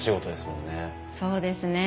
そうですね。